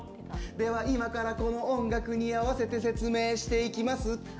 では今からこの音楽に合わせて説明していきます。